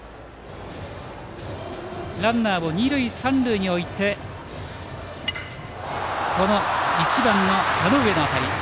ランナーを二塁三塁に置いて１番の田上の当たり。